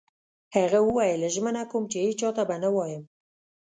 هغه وویل: ژمنه کوم چي هیڅ چا ته به نه وایم.